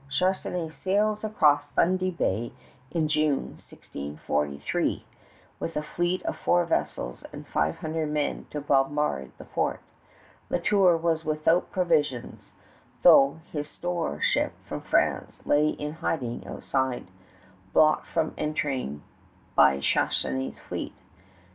Charnisay sails across Fundy Bay in June, 1643, with a fleet of four vessels and five hundred men to bombard the fort. La Tour was without provisions, though his store ship from France lay in hiding outside, blocked from entering by Charnisay's fleet.